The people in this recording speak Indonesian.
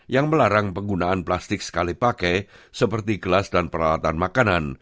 yang melarang penggunaan plastik sekali pakai seperti gelas dan peralatan makanan